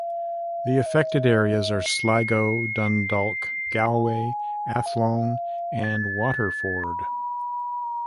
The affected areas are Sligo, Dundalk, Galway, Athlone and Waterford.